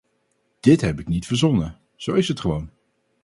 Dit heb ik niet verzonnen, zo is het gewoon.